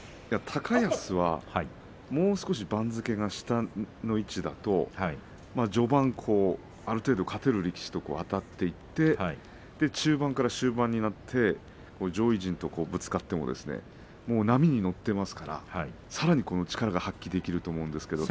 高安はもう少し番付が下の位置だと序盤、ある程度勝てる力士とあたっていって中盤から終盤になって上位陣とぶつかっても波に乗っていますからさらに力が発揮できると思うんですけど。